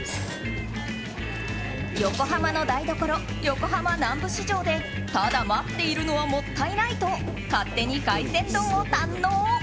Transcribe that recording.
横浜の台所、横浜南部市場でただ待っているのはもったいないと勝手に海鮮丼を堪能。